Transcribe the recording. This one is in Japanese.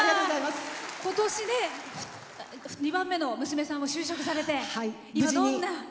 今年で２番目の娘さんも就職されて今、どんな？